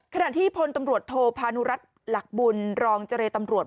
ขณะที่พลตำรวจโทพานุรัติหลักบุญรองเจรตำรวจ